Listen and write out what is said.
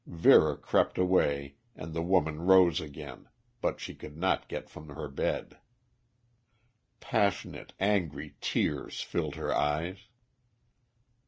Vera crept away and the woman rose again, but she could not get from her bed. Passionate, angry tears filled her eyes.